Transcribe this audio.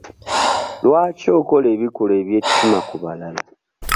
Lwaki okola ebikolwa eby'ettima ku balala?